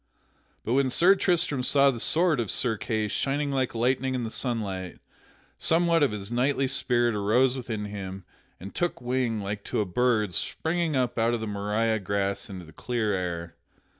But when Sir Tristram saw the sword of Sir Kay shining like lightning in the sunlight, somewhat of his knightly spirit arose within him and took wing like to a bird springing up out of the marish grass into the clear air.